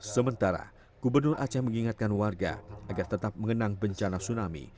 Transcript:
sementara gubernur aceh mengingatkan warga agar tetap mengenang bencana tsunami